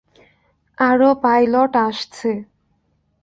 আরো পাইলট আসছে।